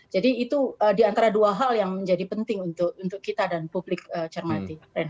jadi itu diantara dua hal yang menjadi penting untuk kita dan publik cermati